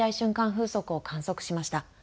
風速を観測しました。